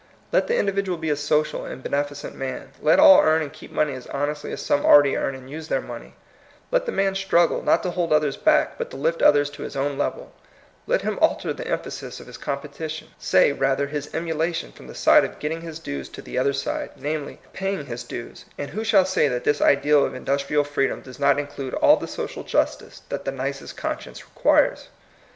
Let the individual be a social and beneficent man ; let all earn and keep money as honestly as some already earn and use their money ; let the man struggle, not to hold others back, but to lift others to his own level; let him alter the emphasis of his competition — say, rather, his emulation, from the side of get ting his dues to the other side, namely, of paying his dues, — and who shall say that this ideal of industrial freedom does not in clude all the social justice that the nicest conscience requires?